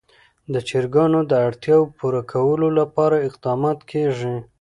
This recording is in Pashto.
د چرګانو د اړتیاوو پوره کولو لپاره اقدامات کېږي.